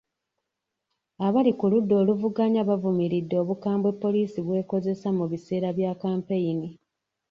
Abali ku ludda oluvuganya bavumiridde obukambwe poliisi bw'ekozesa mu biseera bya kampeyini.